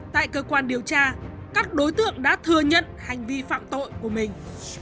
tại cơ quan điều tra các đối tượng đã thừa nhận hành vi phạm tội của mình